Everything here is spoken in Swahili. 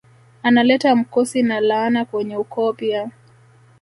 Analeta mkosi na laana kwenye ukoo pia